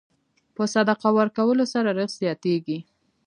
په صدقه ورکولو سره رزق زیاتېږي.